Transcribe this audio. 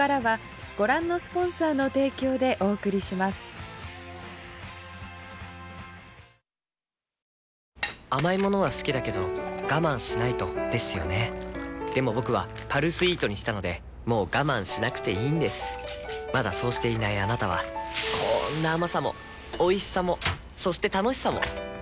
今回はデッドスペースに甘い物は好きだけど我慢しないとですよねでも僕は「パルスイート」にしたのでもう我慢しなくていいんですまだそうしていないあなたはこんな甘さもおいしさもそして楽しさもあちっ。